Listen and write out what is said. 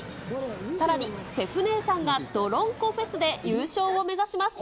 さらにフェフ姉さんがどろんこフェスで優勝を目指します。